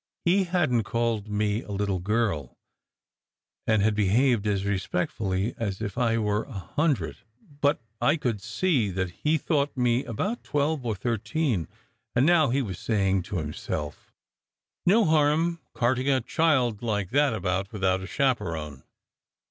He hadn t called me a "little girl," and had behaved as respectfully as if I were a hundred; but I could see that he thought me about twelve or thirteen; and now he was saying to himself: "No harm carting a child like that about without a chaperon."